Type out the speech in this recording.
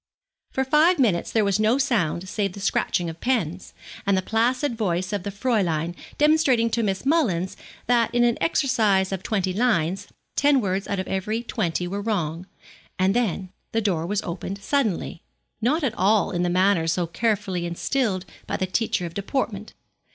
For five minutes there was no sound save the scratching of pens, and the placid voice of the Fräulein demonstrating to Miss Mullins that in an exercise of twenty lines, ten words out of every twenty were wrong, and then the door was opened suddenly not at all in the manner so carefully instilled by the teacher of deportment.